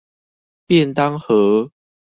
便當盒